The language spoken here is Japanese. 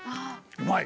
うまい？